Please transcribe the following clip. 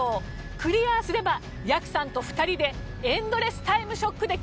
クリアすればやくさんと２人でエンドレスタイムショックで決着をつけて頂きます。